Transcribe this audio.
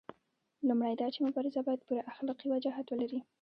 لومړی دا چې مبارزه باید پوره اخلاقي وجاهت ولري.